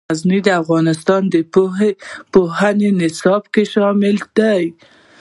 غزني د افغانستان د پوهنې نصاب کې شامل دي.